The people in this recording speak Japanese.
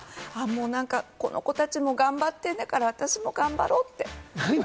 なんか、この子たちも頑張っているんだから私も頑張ろうって。